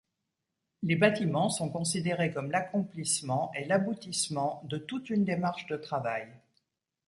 Les bâtiments sont considérés comme l’accomplissement et l’aboutissement de toute une démarche de travail.